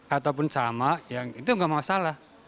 ataupun sama yang itu nggak masalah